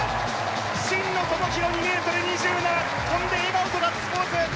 真野友博２ｍ２７跳んで笑顔とガッツポーズ